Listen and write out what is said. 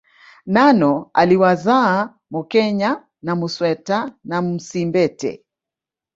Nano aliwazaa Mokenye na Musweta na Msimbete